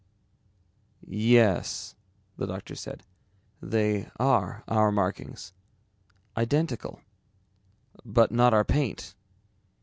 "Yes," the doctor said, "they are our markings. Identical. But not our paint."